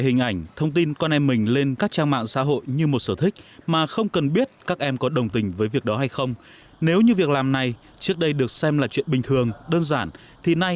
xin mời quý vị và các bạn theo dõi phóng sự sau đây của chúng tôi